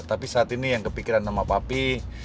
tapi saat ini yang kepikiran sama papi